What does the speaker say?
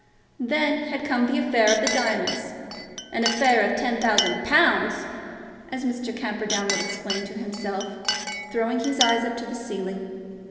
Then had come the affair of the diamonds; an affair of ten thousand pounds! as Mr. Camperdown would exclaim to himself, throwing his eyes up to the ceiling.